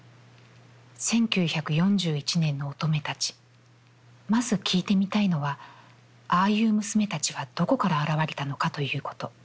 「一九四一年の乙女たちまず聞いてみたいのは、ああいう娘たちはどこから現れたのかということ。